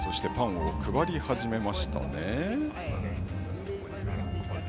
そしてパンを配り始めました。